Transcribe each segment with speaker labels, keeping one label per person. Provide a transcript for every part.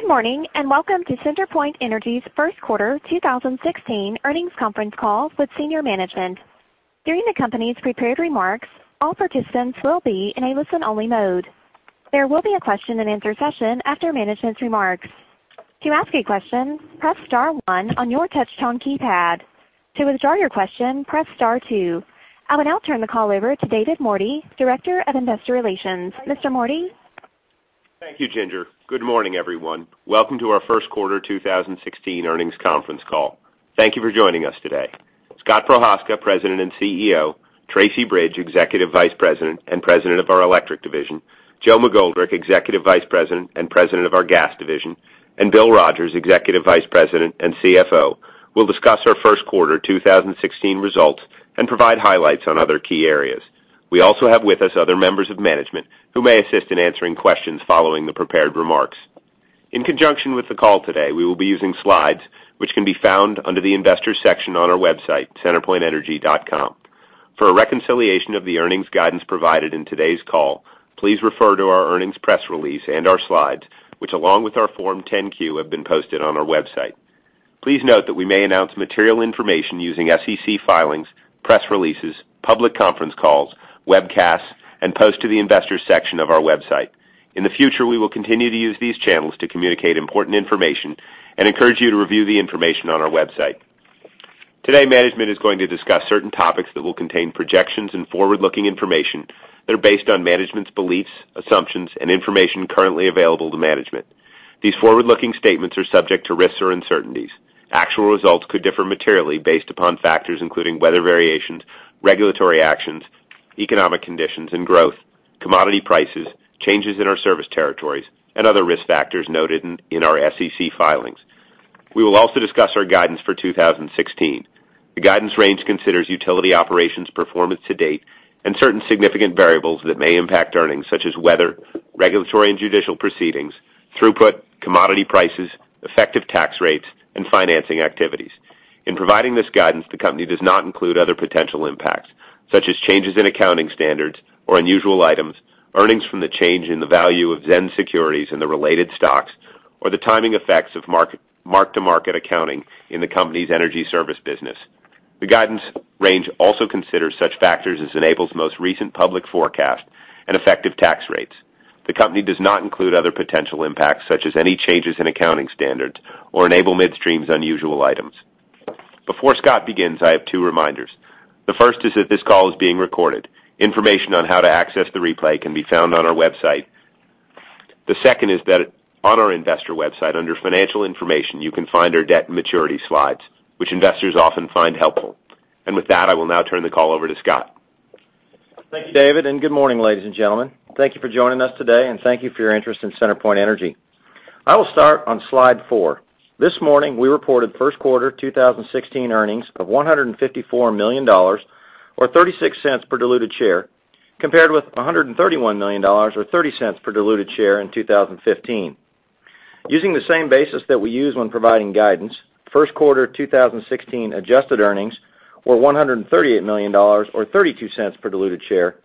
Speaker 1: Good morning, and welcome to CenterPoint Energy's first quarter 2016 earnings conference call with senior management. During the company's prepared remarks, all participants will be in a listen-only mode. There will be a question and answer session after management's remarks. To ask a question, press *1 on your touch-tone keypad. To withdraw your question, press *2. I will now turn the call over to David Mordy, Director of Investor Relations. Mr. Mordy?
Speaker 2: Thank you, Ginger. Good morning, everyone. Welcome to our first quarter 2016 earnings conference call. Thank you for joining us today. Scott Prochazka, President and CEO, Tracy Bridge, Executive Vice President and President of our Electric division, Joe McGoldrick, Executive Vice President and President of our Gas division, and Bill Rogers, Executive Vice President and CFO, will discuss our first quarter 2016 results and provide highlights on other key areas. We also have with us other members of management who may assist in answering questions following the prepared remarks. In conjunction with the call today, we will be using slides which can be found under the investor section on our website, centerpointenergy.com. For a reconciliation of the earnings guidance provided in today's call, please refer to our earnings press release and our slides, which along with our Form 10-Q, have been posted on our website. Please note that we may announce material information using SEC filings, press releases, public conference calls, webcasts, and posts to the investor section of our website. In the future, we will continue to use these channels to communicate important information and encourage you to review the information on our website. Today, management is going to discuss certain topics that will contain projections and forward-looking information that are based on management's beliefs, assumptions, and information currently available to management. These forward-looking statements are subject to risks or uncertainties. Actual results could differ materially based upon factors including weather variations, regulatory actions, economic conditions and growth, commodity prices, changes in our service territories, and other risk factors noted in our SEC filings. We will also discuss our guidance for 2016. The guidance range considers utility operations performance to date and certain significant variables that may impact earnings, such as weather, regulatory and judicial proceedings, throughput, commodity prices, effective tax rates, and financing activities. In providing this guidance, the company does not include other potential impacts, such as changes in accounting standards or unusual items, earnings from the change in the value of ZENS securities and the related stocks, or the timing effects of mark-to-market accounting in the company's energy service business. The guidance range also considers such factors as Enable's most recent public forecast and effective tax rates. The company does not include other potential impacts, such as any changes in accounting standards or Enable Midstream's unusual items. Before Scott begins, I have two reminders. The first is that this call is being recorded. Information on how to access the replay can be found on our website. The second is that on our investor website, under financial information, you can find our debt maturity slides, which investors often find helpful. With that, I will now turn the call over to Scott.
Speaker 3: Thank you, David, and good morning, ladies and gentlemen. Thank you for joining us today, and thank you for your interest in CenterPoint Energy. I will start on slide four. This morning, we reported first quarter 2016 earnings of $154 million, or $0.36 per diluted share, compared with $131 million or $0.30 per diluted share in 2015. Using the same basis that we used when providing guidance, first quarter 2016 adjusted earnings were $138 million or $0.32 per diluted share,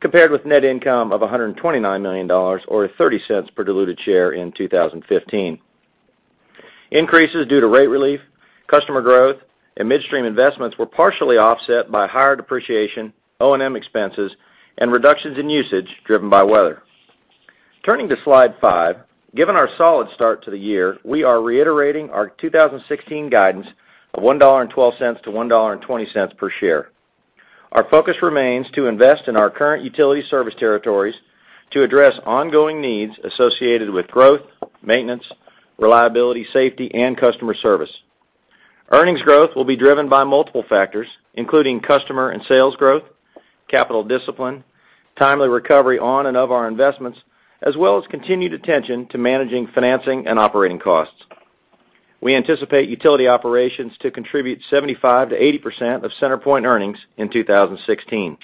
Speaker 3: compared with net income of $129 million or $0.30 per diluted share in 2015. Increases due to rate relief, customer growth, and midstream investments were partially offset by higher depreciation, O&M expenses, and reductions in usage driven by weather. Turning to slide five. Given our solid start to the year, we are reiterating our 2016 guidance of $1.12-$1.20 per share. Our focus remains to invest in our current utility service territories to address ongoing needs associated with growth, maintenance, reliability, safety, and customer service. Earnings growth will be driven by multiple factors, including customer and sales growth, capital discipline, timely recovery on and of our investments, as well as continued attention to managing financing and operating costs. We anticipate utility operations to contribute 75%-80% of CenterPoint earnings in 2016.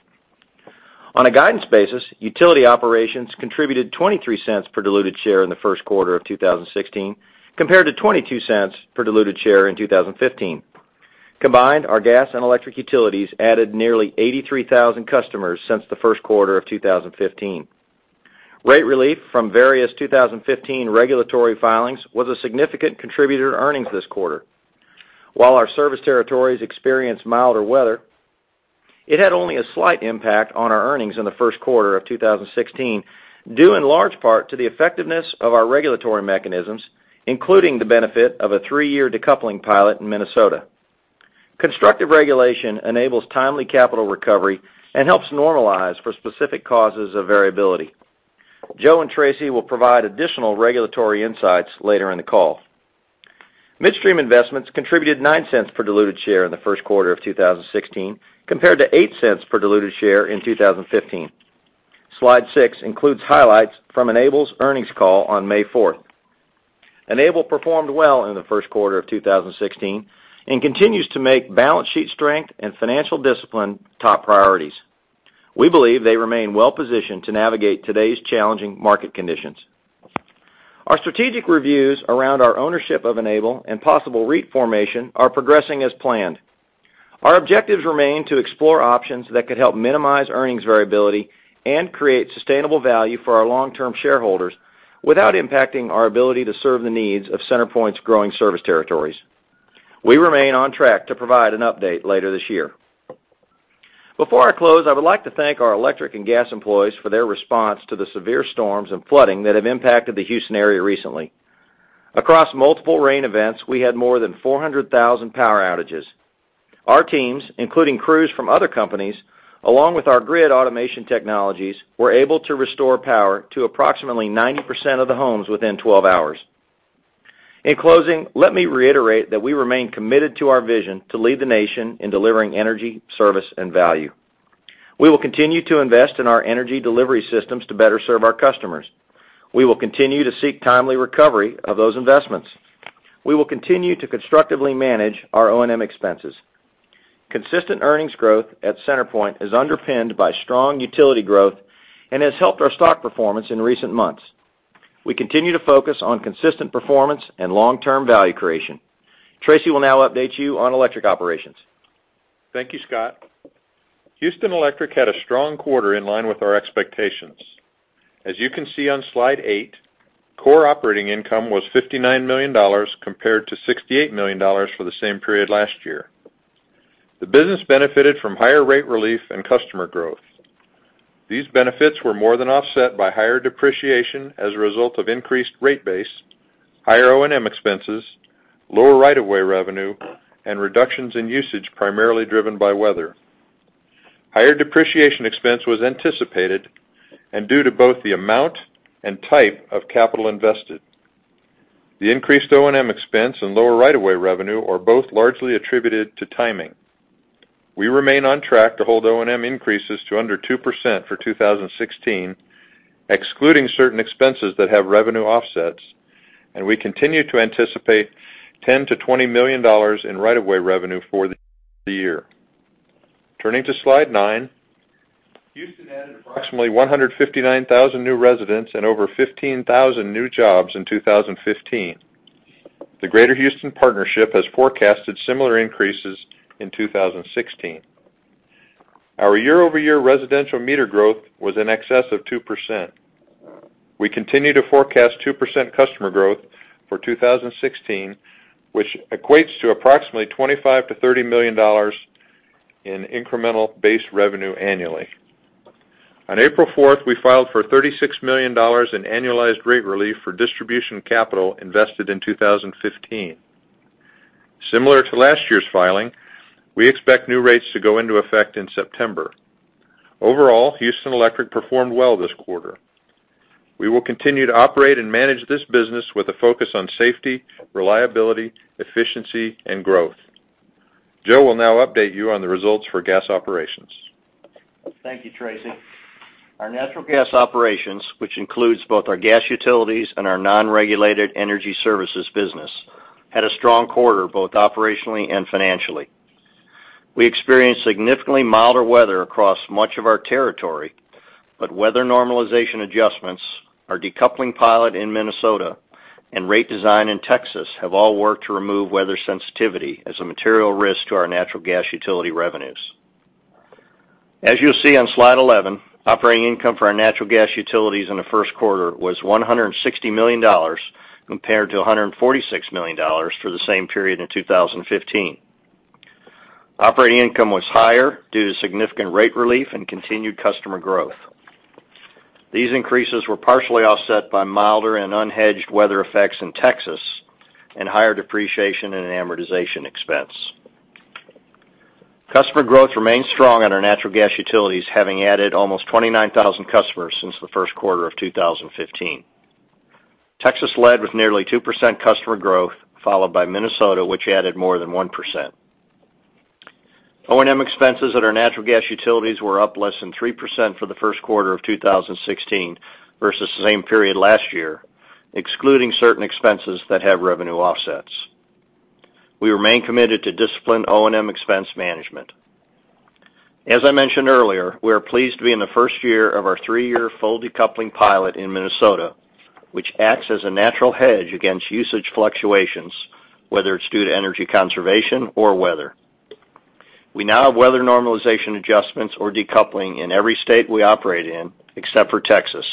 Speaker 3: On a guidance basis, utility operations contributed $0.23 per diluted share in the first quarter of 2016, compared to $0.22 per diluted share in 2015. Combined, our gas and electric utilities added nearly 83,000 customers since the first quarter of 2015. Rate relief from various 2015 regulatory filings was a significant contributor to earnings this quarter. While our service territories experienced milder weather, it had only a slight impact on our earnings in the first quarter of 2016, due in large part to the effectiveness of our regulatory mechanisms, including the benefit of a three-year decoupling pilot in Minnesota. Constructive regulation enables timely capital recovery and helps normalize for specific causes of variability. Joe and Tracy will provide additional regulatory insights later in the call. Midstream investments contributed $0.09 per diluted share in the first quarter of 2016, compared to $0.08 per diluted share in 2015. Slide six includes highlights from Enable's earnings call on May 4th. Enable performed well in the first quarter of 2016 and continues to make balance sheet strength and financial discipline top priorities. We believe they remain well-positioned to navigate today's challenging market conditions. Our strategic reviews around our ownership of Enable and possible REIT formation are progressing as planned. Our objectives remain to explore options that could help minimize earnings variability and create sustainable value for our long-term shareholders without impacting our ability to serve the needs of CenterPoint's growing service territories. We remain on track to provide an update later this year. Before I close, I would like to thank our electric and gas employees for their response to the severe storms and flooding that have impacted the Houston area recently. Across multiple rain events, we had more than 400,000 power outages. Our teams, including crews from other companies, along with our grid automation technologies, were able to restore power to approximately 90% of the homes within 12 hours. In closing, let me reiterate that we remain committed to our vision to lead the nation in delivering energy, service, and value. We will continue to invest in our energy delivery systems to better serve our customers. We will continue to seek timely recovery of those investments. We will continue to constructively manage our O&M expenses. Consistent earnings growth at CenterPoint is underpinned by strong utility growth and has helped our stock performance in recent months. We continue to focus on consistent performance and long-term value creation. Tracy will now update you on electric operations.
Speaker 4: Thank you, Scott. Houston Electric had a strong quarter in line with our expectations. As you can see on slide eight, core operating income was $59 million compared to $68 million for the same period last year. The business benefited from higher rate relief and customer growth. These benefits were more than offset by higher depreciation as a result of increased rate base, higher O&M expenses, lower right-of-way revenue, and reductions in usage primarily driven by weather. Higher depreciation expense was anticipated and due to both the amount and type of capital invested. The increased O&M expense and lower right-of-way revenue are both largely attributed to timing. We remain on track to hold O&M increases to under 2% for 2016, excluding certain expenses that have revenue offsets, and we continue to anticipate $10 million-$20 million in right-of-way revenue for the year. Turning to slide nine, Houston added approximately 159,000 new residents and over 15,000 new jobs in 2015. The Greater Houston Partnership has forecasted similar increases in 2016. Our year-over-year residential meter growth was in excess of 2%. We continue to forecast 2% customer growth for 2016, which equates to approximately $25 million-$30 million in incremental base revenue annually. On April 4th, we filed for $36 million in annualized rate relief for distribution capital invested in 2015. Similar to last year's filing, we expect new rates to go into effect in September. Overall, Houston Electric performed well this quarter. We will continue to operate and manage this business with a focus on safety, reliability, efficiency, and growth. Joe will now update you on the results for gas operations.
Speaker 5: Thank you, Tracy. Our natural gas operations, which includes both our gas utilities and our non-regulated energy services business, had a strong quarter, both operationally and financially. We experienced significantly milder weather across much of our territory, but weather normalization adjustments, our decoupling pilot in Minnesota, and rate design in Texas have all worked to remove weather sensitivity as a material risk to our natural gas utility revenues. As you'll see on slide 11, operating income for our natural gas utilities in the first quarter was $160 million compared to $146 million for the same period in 2015. Operating income was higher due to significant rate relief and continued customer growth. These increases were partially offset by milder and unhedged weather effects in Texas and higher depreciation and amortization expense. Customer growth remains strong on our natural gas utilities, having added almost 29,000 customers since the first quarter of 2015. Texas led with nearly 2% customer growth, followed by Minnesota, which added more than 1%. O&M expenses at our natural gas utilities were up less than 3% for the first quarter of 2016 versus the same period last year, excluding certain expenses that have revenue offsets. We remain committed to disciplined O&M expense management. As I mentioned earlier, we are pleased to be in the first year of our three-year full decoupling pilot in Minnesota, which acts as a natural hedge against usage fluctuations, whether it's due to energy conservation or weather. We now have weather normalization adjustments or decoupling in every state we operate in except for Texas,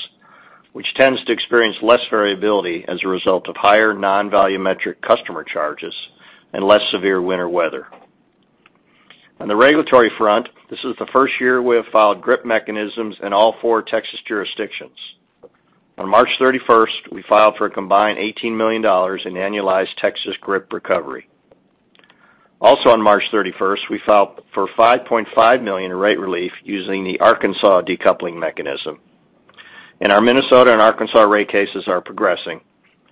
Speaker 5: which tends to experience less variability as a result of higher non-volumetric customer charges and less severe winter weather. On the regulatory front, this is the first year we have filed GRIP mechanisms in all four Texas jurisdictions. On March 31st, we filed for a combined $18 million in annualized Texas GRIP recovery. On March 31st, we filed for $5.5 million in rate relief using the Arkansas decoupling mechanism. Our Minnesota and Arkansas rate cases are progressing,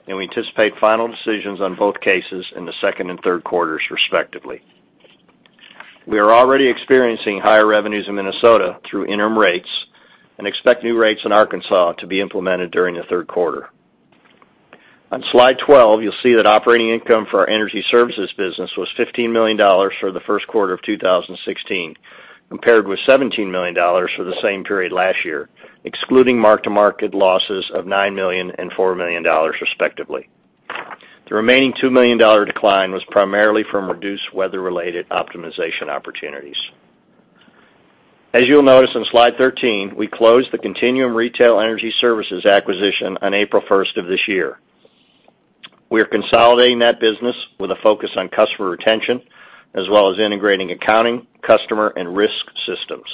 Speaker 5: and we anticipate final decisions on both cases in the second and third quarters, respectively. We are already experiencing higher revenues in Minnesota through interim rates and expect new rates in Arkansas to be implemented during the third quarter. On slide 12, you'll see that operating income for our energy services business was $15 million for the first quarter of 2016, compared with $17 million for the same period last year, excluding mark-to-market losses of $9 million and $4 million, respectively. The remaining $2 million decline was primarily from reduced weather-related optimization opportunities. As you'll notice on slide 13, we closed the Continuum Retail Energy Services acquisition on April 1st of this year. We are consolidating that business with a focus on customer retention, as well as integrating accounting, customer, and risk systems.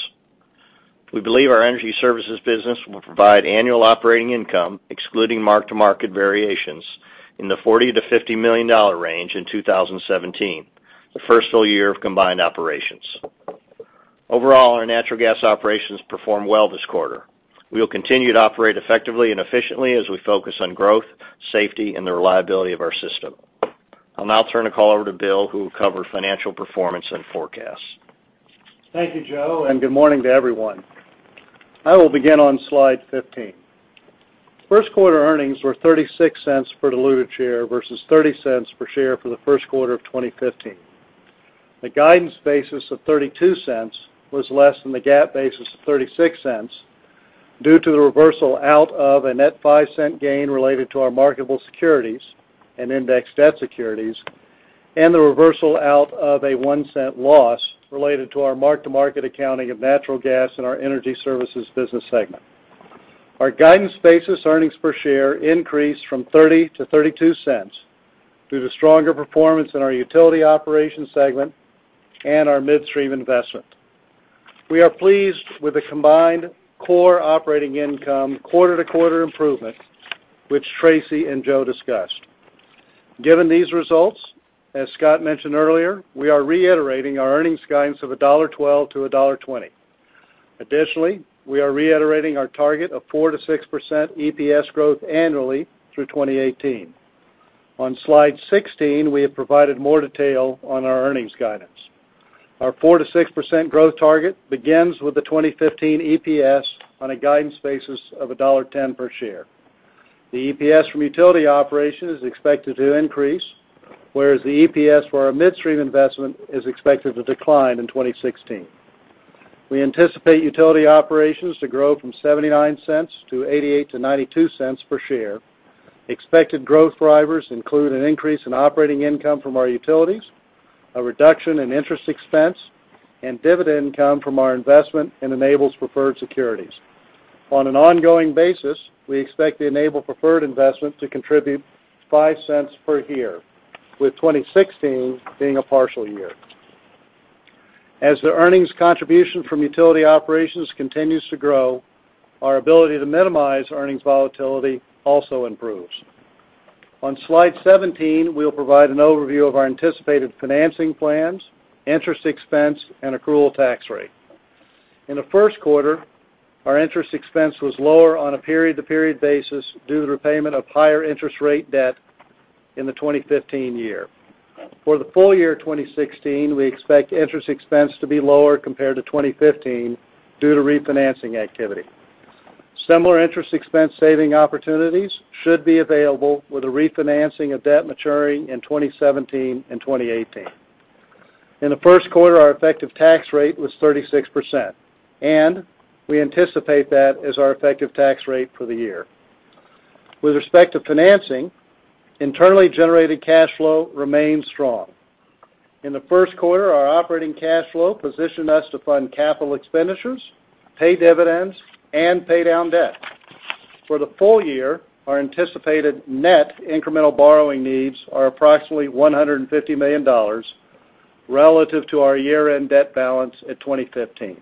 Speaker 5: We believe our energy services business will provide annual operating income, excluding mark-to-market variations, in the $40 million-$50 million range in 2017, the first full year of combined operations. Overall, our natural gas operations performed well this quarter. We will continue to operate effectively and efficiently as we focus on growth, safety, and the reliability of our system. I'll now turn the call over to Bill, who will cover financial performance and forecast.
Speaker 6: Thank you, Joe, and good morning to everyone. I will begin on slide 15. First quarter earnings were $0.36 per diluted share versus $0.30 per share for the first quarter of 2015. The guidance basis of $0.32 was less than the GAAP basis of $0.36 due to the reversal out of a net $0.05 gain related to our marketable securities and indexed debt securities, and the reversal out of a $0.01 loss related to our mark-to-market accounting of natural gas in our energy services business segment. Our guidance basis earnings per share increased from $0.30 to $0.32 due to stronger performance in our utility operations segment and our midstream investment. We are pleased with the combined core operating income quarter-over-quarter improvement, which Tracy and Joe discussed. Given these results, as Scott mentioned earlier, we are reiterating our earnings guidance of $1.12-$1.20. We are reiterating our target of 4%-6% EPS growth annually through 2018. On slide 16, we have provided more detail on our earnings guidance. Our 4%-6% growth target begins with the 2015 EPS on a guidance basis of $1.10 per share. The EPS from utility operation is expected to increase, whereas the EPS for our midstream investment is expected to decline in 2016. We anticipate utility operations to grow from $0.79 to $0.88-$0.92 per share. Expected growth drivers include an increase in operating income from our utilities, a reduction in interest expense, and dividend income from our investment in Enable's preferred securities. On an ongoing basis, we expect the Enable preferred investment to contribute $0.05 per year, with 2016 being a partial year. As the earnings contribution from utility operations continues to grow, our ability to minimize earnings volatility also improves. On slide 17, we'll provide an overview of our anticipated financing plans, interest expense, and accrual tax rate. In the first quarter, our interest expense was lower on a period-over-period basis due to the repayment of higher interest rate debt in the 2015 year. For the full year 2016, we expect interest expense to be lower compared to 2015 due to refinancing activity. Similar interest expense saving opportunities should be available with the refinancing of debt maturing in 2017 and 2018. In the first quarter, our effective tax rate was 36%, and we anticipate that as our effective tax rate for the year. With respect to financing, internally generated cash flow remains strong. In the first quarter, our operating cash flow positioned us to fund capital expenditures, pay dividends, and pay down debt. For the full year, our anticipated net incremental borrowing needs are approximately $150 million relative to our year-end debt balance at 2015.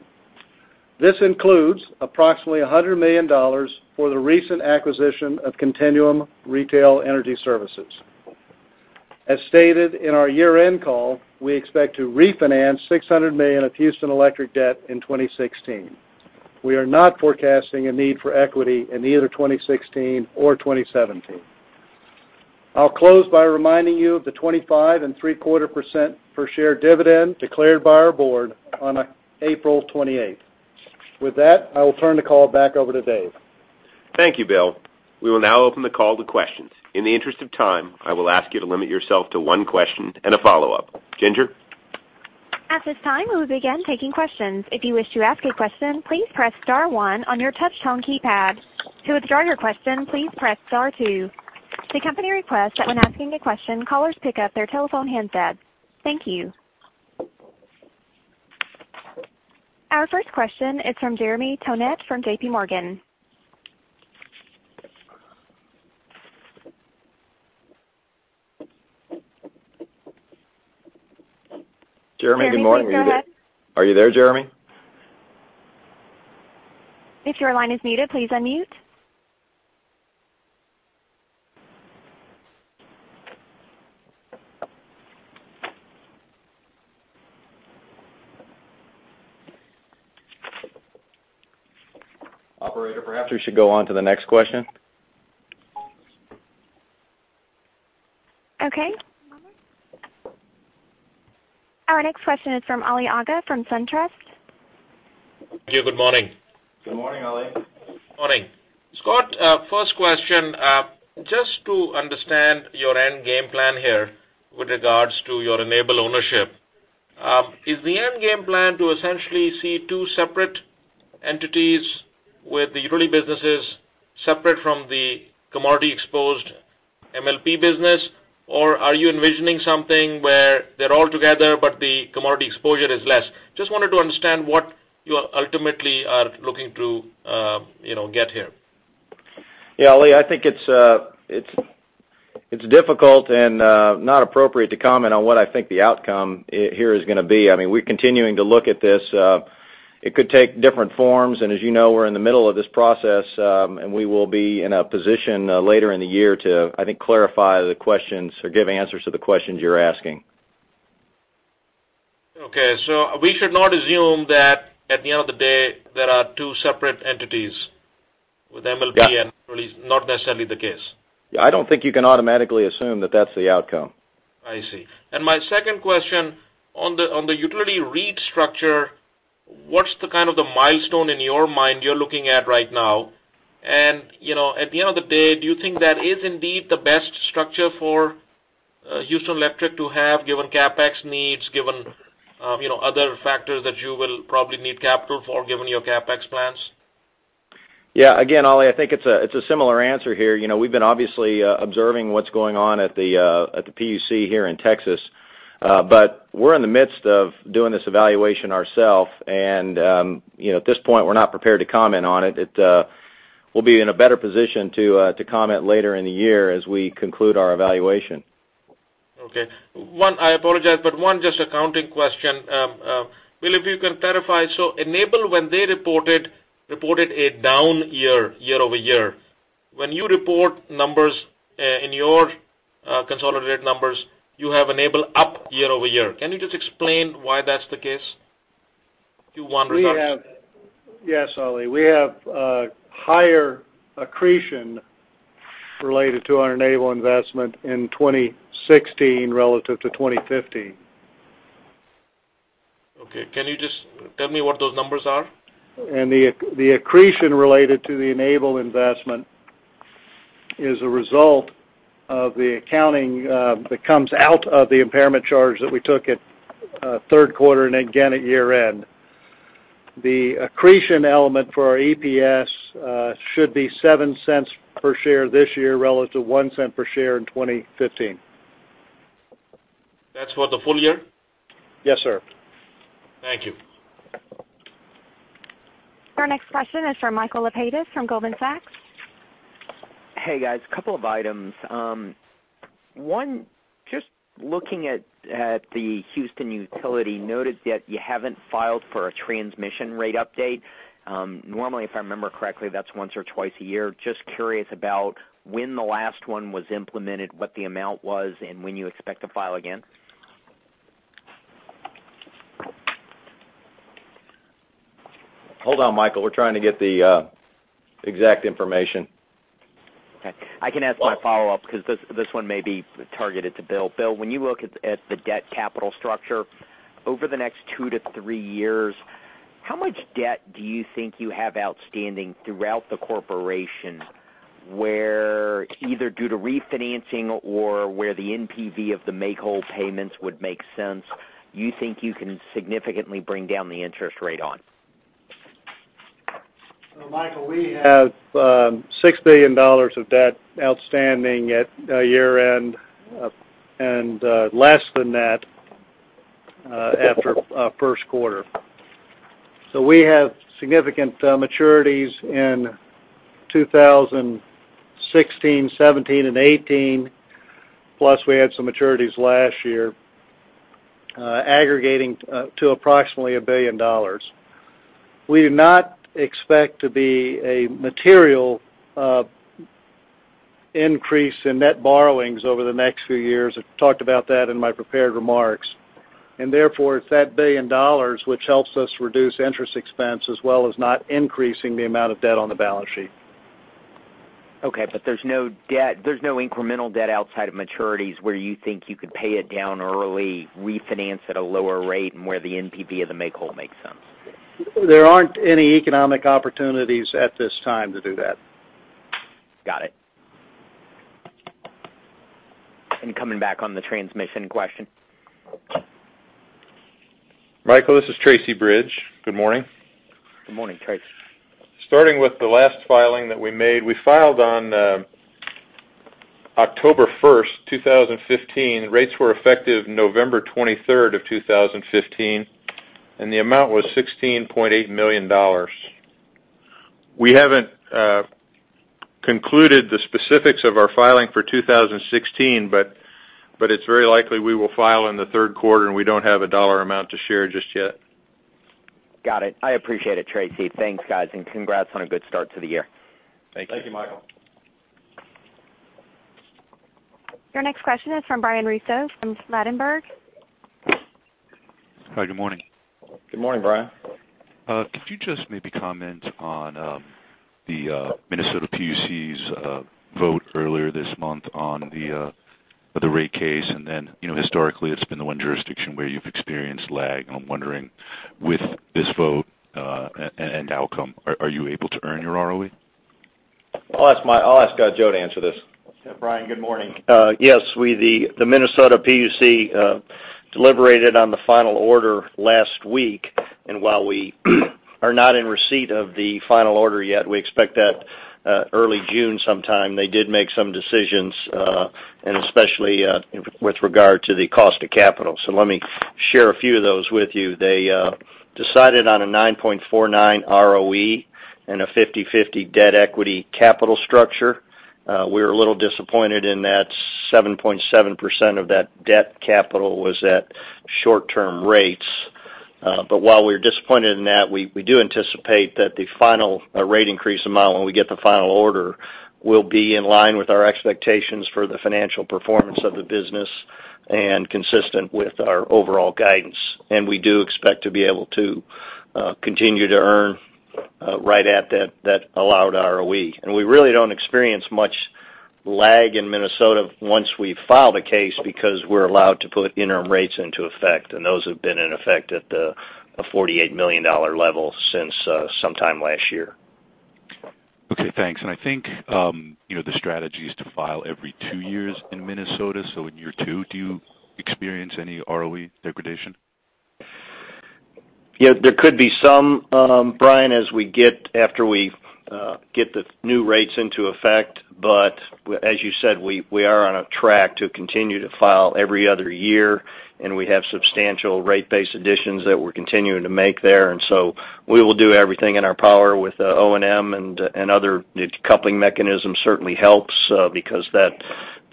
Speaker 6: This includes approximately $100 million for the recent acquisition of Continuum Retail Energy Services. As stated in our year-end call, we expect to refinance $600 million of Houston Electric debt in 2016. We are not forecasting a need for equity in either 2016 or 2017. I'll close by reminding you of the 25.75% per share dividend declared by our board on April 28th. With that, I will turn the call back over to Dave.
Speaker 2: Thank you, Bill. We will now open the call to questions. In the interest of time, I will ask you to limit yourself to one question and a follow-up. Ginger?
Speaker 1: At this time, we will begin taking questions. If you wish to ask a question, please press star one on your touchtone keypad. To withdraw your question, please press star two. The company requests that when asking a question, callers pick up their telephone handset. Thank you. Our first question is from Jeremy Tonet from J.P. Morgan.
Speaker 2: Jeremy, good morning.
Speaker 1: Jeremy, go ahead.
Speaker 2: Are you there, Jeremy?
Speaker 1: If your line is muted, please unmute.
Speaker 2: Operator, perhaps we should go on to the next question.
Speaker 1: Okay. Our next question is from Ali Agha from SunTrust.
Speaker 7: Joe, good morning.
Speaker 5: Good morning, Ali.
Speaker 7: Morning. Scott, first question. Just to understand your end game plan here with regards to your Enable ownership. Is the end game plan to essentially see two separate entities with the utility businesses separate from the commodity-exposed MLP business, or are you envisioning something where they're all together, but the commodity exposure is less? Just wanted to understand what you ultimately are looking to get here.
Speaker 3: Yeah, Ali, I think it's difficult and not appropriate to comment on what I think the outcome here is going to be. We're continuing to look at this. It could take different forms. As you know, we're in the middle of this process, and we will be in a position later in the year to, I think, clarify the questions or give answers to the questions you're asking.
Speaker 7: Okay. We should not assume that at the end of the day, there are two separate entities with MLP and-
Speaker 3: Yeah
Speaker 7: really not necessarily the case.
Speaker 3: I don't think you can automatically assume that that's the outcome.
Speaker 7: I see. My second question, on the utility REIT structure, what's the kind of the milestone in your mind you're looking at right now? At the end of the day, do you think that is indeed the best structure for Houston Electric to have given CapEx needs, given other factors that you will probably need capital for, given your CapEx plans?
Speaker 3: Again, Ali, I think it's a similar answer here. We've been obviously observing what's going on at the PUC here in Texas. We're in the midst of doing this evaluation ourself, and at this point, we're not prepared to comment on it. We'll be in a better position to comment later in the year as we conclude our evaluation.
Speaker 7: I apologize, one just accounting question. Bill, if you can clarify. Enable, when they reported a down year year-over-year. When you report numbers in your consolidated numbers, you have Enable up year-over-year. Can you just explain why that's the case?
Speaker 6: Yes, Ali. We have higher accretion related to our Enable investment in 2016 relative to 2015.
Speaker 7: Can you just tell me what those numbers are?
Speaker 6: The accretion related to the Enable investment is a result of the accounting that comes out of the impairment charge that we took at third quarter and again at year-end. The accretion element for our EPS should be $0.07 per share this year relative to $0.01 per share in 2015.
Speaker 7: That's for the full year?
Speaker 6: Yes, sir.
Speaker 7: Thank you.
Speaker 1: Our next question is from Michael Lapides from Goldman Sachs.
Speaker 8: Hey, guys. Couple of items. One, just looking at the Houston utility, noted that you haven't filed for a transmission rate update. Normally, if I remember correctly, that's once or twice a year. Just curious about when the last one was implemented, what the amount was, and when you expect to file again.
Speaker 3: Hold on, Michael. We're trying to get the exact information.
Speaker 8: Okay. I can ask my follow-up because this one may be targeted to Bill. Bill, when you look at the debt capital structure over the next two to three years, how much debt do you think you have outstanding throughout the corporation where either due to refinancing or where the NPV of the make-whole payments would make sense, you think you can significantly bring down the interest rate on?
Speaker 6: Michael, we have $6 billion of debt outstanding at year-end, less than that after first quarter. We have significant maturities in 2016, 2017, and 2018. Plus, we had some maturities last year aggregating to approximately $1 billion. We do not expect to be a material increase in net borrowings over the next few years. I talked about that in my prepared remarks. Therefore, it's that $1 billion which helps us reduce interest expense as well as not increasing the amount of debt on the balance sheet.
Speaker 8: Okay. There's no incremental debt outside of maturities where you think you could pay it down early, refinance at a lower rate, and where the NPV of the make-whole makes sense.
Speaker 6: There aren't any economic opportunities at this time to do that.
Speaker 8: Got it. Coming back on the transmission question.
Speaker 4: Michael, this is Tracy Bridge. Good morning.
Speaker 8: Good morning, Tracy.
Speaker 4: Starting with the last filing that we made, we filed on October 1st, 2015. Rates were effective November 23rd of 2015, and the amount was $16.8 million. We haven't concluded the specifics of our filing for 2016, but it's very likely we will file in the third quarter, and we don't have a dollar amount to share just yet.
Speaker 8: Got it. I appreciate it, Tracy. Thanks, guys, and congrats on a good start to the year.
Speaker 4: Thank you. Thank you, Michael.
Speaker 1: Your next question is from Brian Russo from Ladenburg Thalmann.
Speaker 9: Hi, good morning.
Speaker 3: Good morning, Brian.
Speaker 9: Could you just maybe comment on the Minnesota PUC's vote earlier this month on the rate case, and then historically, it's been the one jurisdiction where you've experienced lag, and I'm wondering with this vote, and outcome, are you able to earn your ROE?
Speaker 3: I'll ask Joe to answer this.
Speaker 5: Brian, good morning. Yes, the Minnesota PUC deliberated on the final order last week, and while we are not in receipt of the final order yet, we expect that early June sometime. They did make some decisions, and especially with regard to the cost of capital. Let me share a few of those with you. They decided on a 9.49% ROE and a 50/50 debt equity capital structure. We were a little disappointed in that 7.7% of that debt capital was at short-term rates. While we're disappointed in that, we do anticipate that the final rate increase amount when we get the final order will be in line with our expectations for the financial performance of the business and consistent with our overall guidance. We do expect to be able to continue to earn right at that allowed ROE. We really don't experience much lag in Minnesota once we file the case because we're allowed to put interim rates into effect, and those have been in effect at a $48 million level since sometime last year.
Speaker 9: Okay, thanks. I think the strategy is to file every two years in Minnesota. In year two, do you experience any ROE degradation?
Speaker 5: Yeah, there could be some, Brian, after we get the new rates into effect. As you said, we are on a track to continue to file every other year, and we have substantial rate base additions that we're continuing to make there. We will do everything in our power with O&M and other decoupling mechanisms certainly helps, because that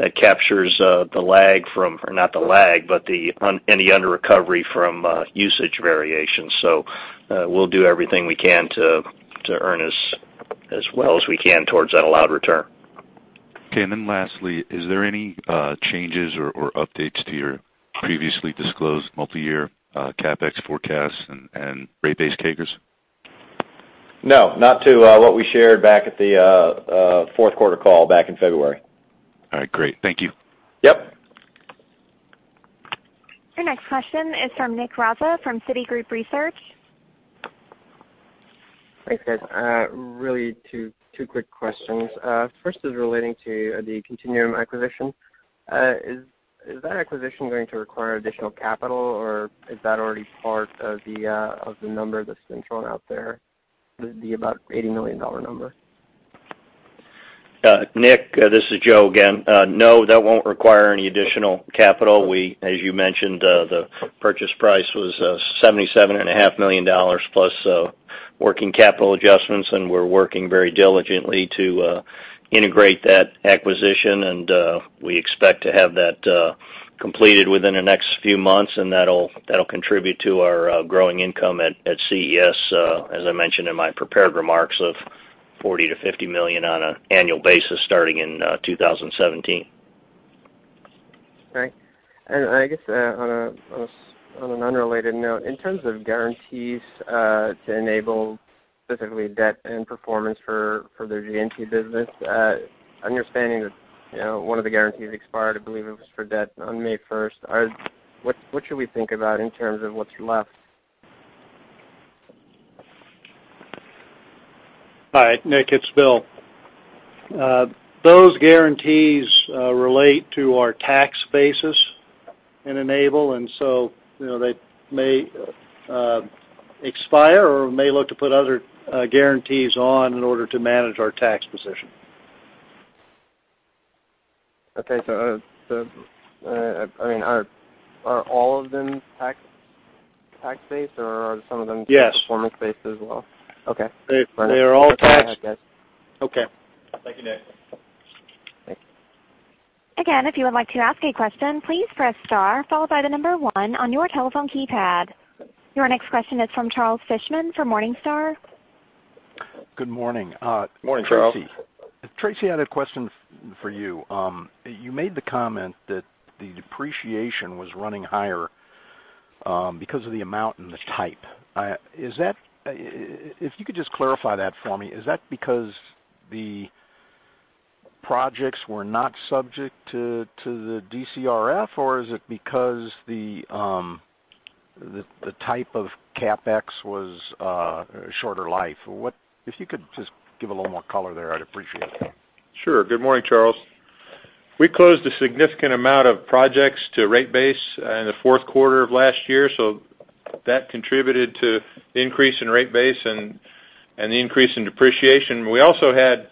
Speaker 5: captures not the lag, but any under recovery from usage variations. We'll do everything we can to earn as well as we can towards that allowed return.
Speaker 9: Okay, lastly, is there any changes or updates to your previously disclosed multi-year CapEx forecasts and rate base CAGRs?
Speaker 3: No, not to what we shared back at the fourth quarter call back in February.
Speaker 9: All right, great. Thank you.
Speaker 3: Yep.
Speaker 1: Your next question is from Nick Raza from Citigroup Research.
Speaker 10: Thanks, guys. Really two quick questions. First is relating to the Continuum acquisition. Is that acquisition going to require additional capital, or is that already part of the number that's been thrown out there, the about $80 million number?
Speaker 5: Nick, this is Joe again. No, that won't require any additional capital. As you mentioned, the purchase price was $77.5 million plus working capital adjustments. We're working very diligently to integrate that acquisition. We expect to have that completed within the next few months, and that'll contribute to our growing income at CES, as I mentioned in my prepared remarks of $40 million to $50 million on an annual basis starting in 2017.
Speaker 10: Right. I guess on an unrelated note, in terms of guarantees to Enable, specifically debt and performance for the G&T business, understanding that one of the guarantees expired, I believe it was for debt on May 1st, what should we think about in terms of what's left?
Speaker 6: All right, Nick, it's Bill. Those guarantees relate to our tax basis in Enable. They may expire or may look to put other guarantees on in order to manage our tax position.
Speaker 10: Okay. Are all of them tax-based?
Speaker 6: Yes
Speaker 10: performance-based as well? Okay.
Speaker 6: They are all tax.
Speaker 10: Understood. Okay, I guess.
Speaker 6: Okay.
Speaker 3: Thank you, Nick.
Speaker 10: Thanks.
Speaker 1: Again, if you would like to ask a question, please press star followed by the number 1 on your telephone keypad. Your next question is from Charles Fishman from Morningstar.
Speaker 11: Good morning.
Speaker 3: Morning, Charles.
Speaker 11: Tracy, I had a question for you. You made the comment that the depreciation was running higher because of the amount and the type. If you could just clarify that for me, is that because the projects were not subject to the DCRF, or is it because the type of CapEx was a shorter life? If you could just give a little more color there, I'd appreciate that.
Speaker 4: Sure. Good morning, Charles. We closed a significant amount of projects to rate base in the fourth quarter of last year. That contributed to the increase in rate base and the increase in depreciation. We also had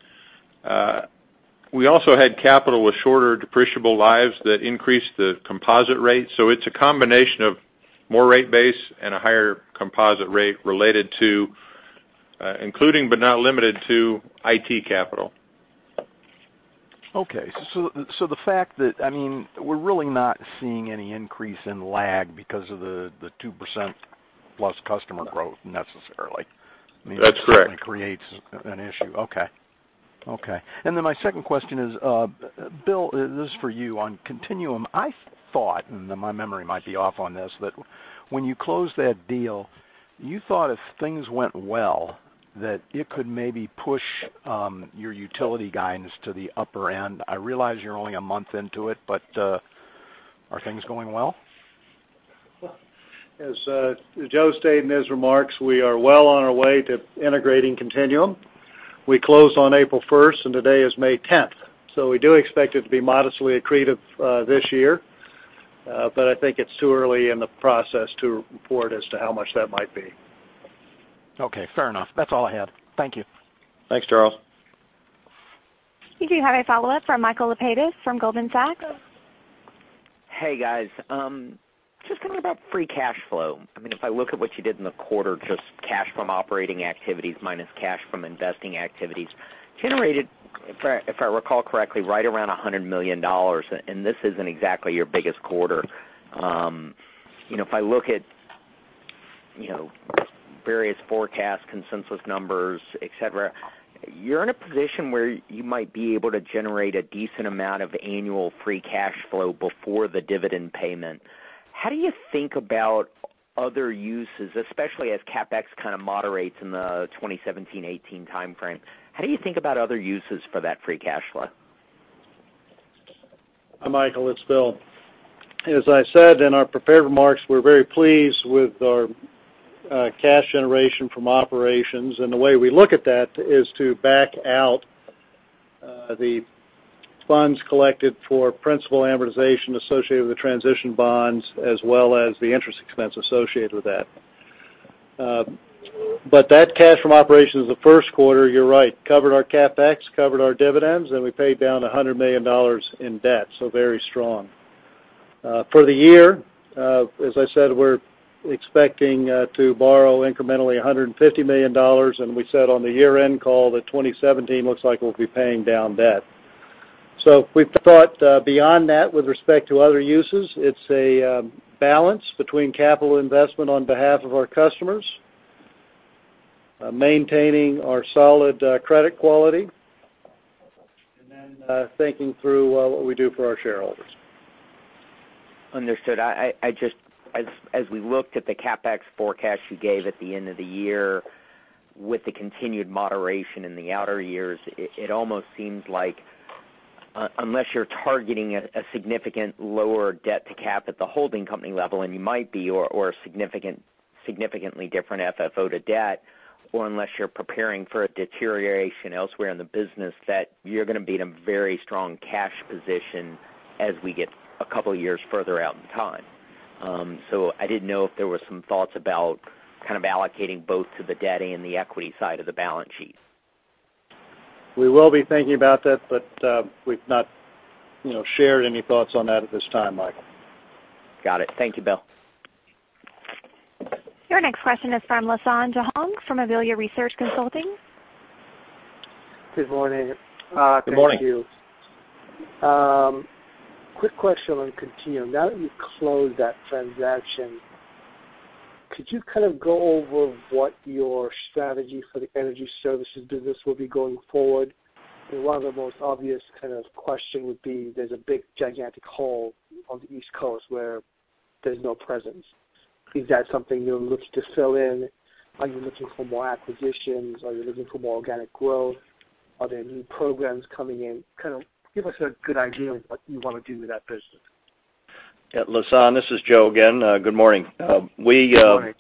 Speaker 4: capital with shorter depreciable lives that increased the composite rate. It's a combination of more rate base and a higher composite rate related to, including, but not limited to, IT capital.
Speaker 11: Okay. The fact that we're really not seeing any increase in lag because of the 2% plus customer growth necessarily.
Speaker 4: That's correct.
Speaker 11: It creates an issue. Okay. Then my second question is, Bill, this is for you on Continuum. I thought, and my memory might be off on this, that when you closed that deal, you thought if things went well, that it could maybe push your utility guidance to the upper end. I realize you're only a month into it, but are things going well?
Speaker 6: As Joe stated in his remarks, we are well on our way to integrating Continuum. We closed on April 1st, and today is May 10th. We do expect it to be modestly accretive this year. I think it's too early in the process to report as to how much that might be.
Speaker 11: Okay, fair enough. That's all I had. Thank you.
Speaker 6: Thanks, Charles.
Speaker 1: We do have a follow-up from Michael Lapides from Goldman Sachs.
Speaker 8: Hey, guys. Just tell me about free cash flow. If I look at what you did in the quarter, just cash from operating activities minus cash from investing activities, generated, if I recall correctly, right around $100 million. This isn't exactly your biggest quarter. If I look at various forecast consensus numbers, et cetera, you're in a position where you might be able to generate a decent amount of annual free cash flow before the dividend payment. How do you think about other uses, especially as CapEx kind of moderates in the 2017, 2018 timeframe? How do you think about other uses for that free cash flow?
Speaker 6: Hi, Michael. It's Bill. As I said in our prepared remarks, we're very pleased with our cash generation from operations. The way we look at that is to back out the funds collected for principal amortization associated with the transition bonds, as well as the interest expense associated with that. That cash from operations in the first quarter, you're right, covered our CapEx, covered our dividends, and we paid down $100 million in debt. Very strong. For the year, as I said, we're expecting to borrow incrementally $150 million, and we said on the year-end call that 2017 looks like we'll be paying down debt. We've thought beyond that with respect to other uses. It's a balance between capital investment on behalf of our customers, maintaining our solid credit quality, and then thinking through what we do for our shareholders.
Speaker 8: Understood. As we looked at the CapEx forecast you gave at the end of the year, with the continued moderation in the outer years, it almost seems like unless you're targeting a significant lower debt to cap at the holding company level, and you might be, or a significantly different FFO to debt, or unless you're preparing for a deterioration elsewhere in the business, that you're going to be in a very strong cash position as we get a couple years further out in time. I didn't know if there were some thoughts about kind of allocating both to the debt and the equity side of the balance sheet.
Speaker 6: We will be thinking about that, but we've not shared any thoughts on that at this time, Michael.
Speaker 8: Got it. Thank you, Bill.
Speaker 1: Your next question is from Lasan Johong from Auvila Research Consulting.
Speaker 12: Good morning.
Speaker 5: Good morning.
Speaker 12: Thank you. Quick question on Continuum. Now that you closed that transaction, could you kind of go over what your strategy for the energy services business will be going forward? One of the most obvious kind of question would be, there's a big gigantic hole on the East Coast where there's no presence. Is that something you're looking to fill in? Are you looking for more acquisitions? Are you looking for more organic growth? Are there new programs coming in? Kind of give us a good idea of what you want to do with that business.
Speaker 5: Lasan, this is Joe again. Good morning. Good morning.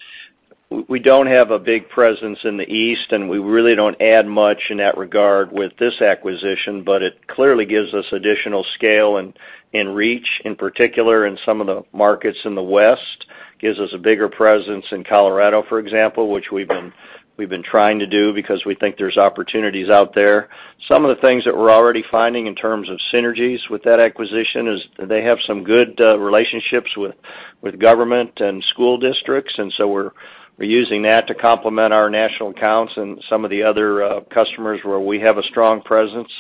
Speaker 5: We don't have a big presence in the East, and we really don't add much in that regard with this acquisition, but it clearly gives us additional scale and reach, in particular in some of the markets in the West. Gives us a bigger presence in Colorado, for example, which we've been trying to do because we think there's opportunities out there. Some of the things that we're already finding in terms of synergies with that acquisition is they have some good relationships with government and school districts, and so we're using that to complement our national accounts and some of the other customers where we have a strong presence.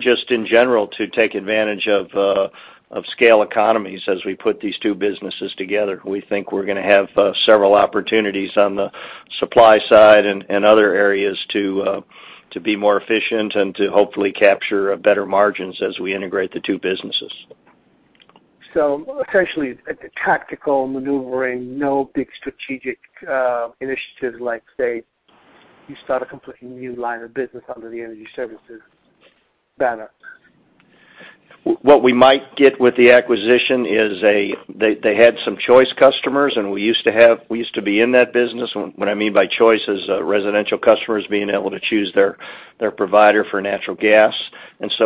Speaker 5: Just in general to take advantage of scale economies as we put these two businesses together. We think we're going to have several opportunities on the supply side and other areas to be more efficient and to hopefully capture better margins as we integrate the two businesses.
Speaker 12: Essentially, a tactical maneuvering, no big strategic initiatives like, say, you start a completely new line of business under the energy services banner.
Speaker 5: What we might get with the acquisition is they had some choice customers, and we used to be in that business. What I mean by choice is residential customers being able to choose their provider for natural gas.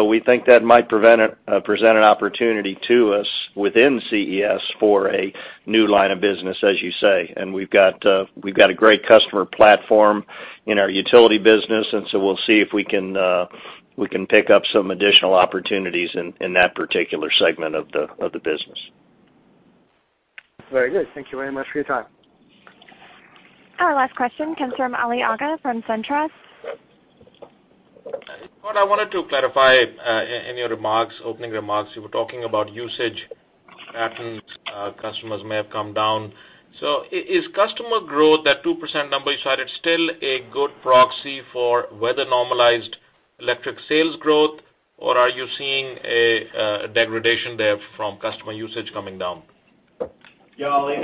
Speaker 5: We think that might present an opportunity to us within CES for a new line of business, as you say. We've got a great customer platform in our utility business, and so we'll see if we can pick up some additional opportunities in that particular segment of the business.
Speaker 12: Very good. Thank you very much for your time.
Speaker 1: Our last question comes from Ali Agha from SunTrust.
Speaker 7: What I wanted to clarify in your opening remarks, you were talking about usage patterns, customers may have come down. Is customer growth, that 2% number you cited, still a good proxy for weather-normalized electric sales growth? Are you seeing a degradation there from customer usage coming down?
Speaker 4: Yeah, Ali,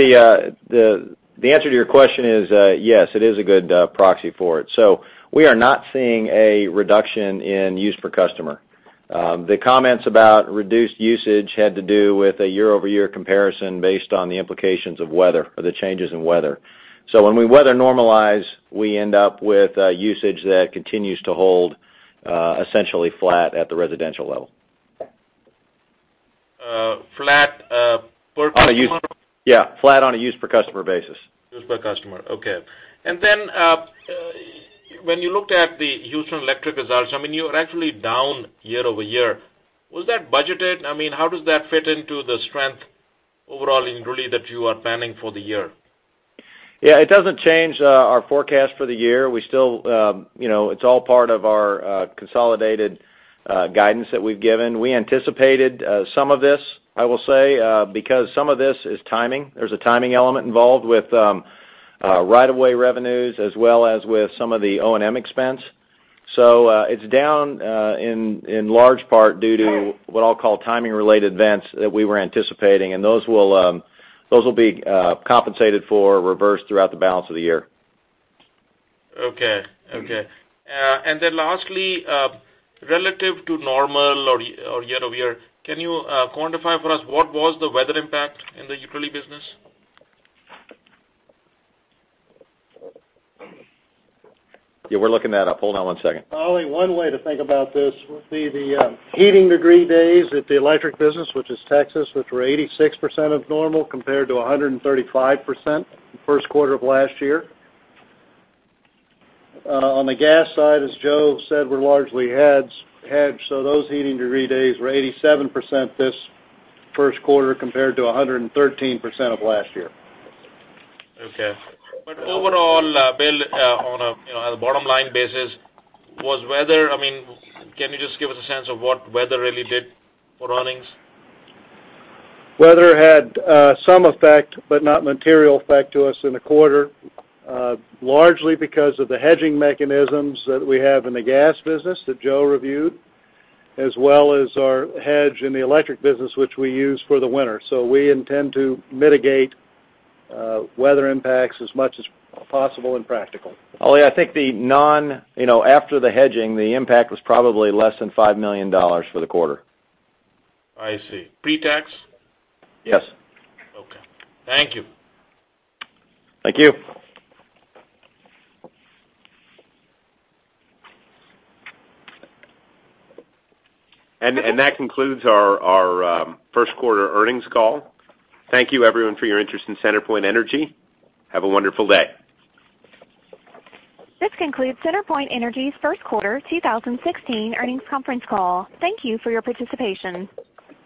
Speaker 4: the answer to your question is yes, it is a good proxy for it. We are not seeing a reduction in use per customer.
Speaker 3: The comments about reduced usage had to do with a year-over-year comparison based on the implications of weather or the changes in weather. When we weather normalize, we end up with usage that continues to hold essentially flat at the residential level.
Speaker 7: Flat per customer?
Speaker 3: Yes. Flat on a use-per-customer basis.
Speaker 7: Use per customer. Okay. Then, when you looked at the Houston Electric results, you're actually down year-over-year. Was that budgeted? How does that fit into the strength overall in Really that you are planning for the year?
Speaker 3: Yes. It doesn't change our forecast for the year. It's all part of our consolidated guidance that we've given. We anticipated some of this, I will say, because some of this is timing. There's a timing element involved with right-of-way revenues, as well as with some of the O&M expense. It's down in large part due to what I'll call timing-related events that we were anticipating, and those will be compensated for or reversed throughout the balance of the year.
Speaker 7: Okay. Lastly, relative to normal or year-over-year, can you quantify for us what was the weather impact in the utility business?
Speaker 3: Yes, we're looking that up. Hold on one second.
Speaker 6: Ali, one way to think about this would be the heating degree days at the electric business, which is Texas, which were 86% of normal compared to 135% the first quarter of last year. On the gas side, as Joe said, we're largely hedged, so those heating degree days were 87% this first quarter compared to 113% of last year.
Speaker 7: Okay. Overall, Bill, on a bottom-line basis, can you just give us a sense of what weather really did for earnings?
Speaker 6: Weather had some effect, but not material effect to us in the quarter. Largely because of the hedging mechanisms that we have in the gas business that Joe reviewed, as well as our hedge in the electric business, which we use for the winter. We intend to mitigate weather impacts as much as possible and practical.
Speaker 3: Ali, I think after the hedging, the impact was probably less than $5 million for the quarter.
Speaker 7: I see. Pre-tax?
Speaker 3: Yes.
Speaker 7: Okay. Thank you.
Speaker 3: Thank you.
Speaker 2: That concludes our first quarter earnings call. Thank you, everyone, for your interest in CenterPoint Energy. Have a wonderful day.
Speaker 1: This concludes CenterPoint Energy's first quarter 2016 earnings conference call. Thank you for your participation.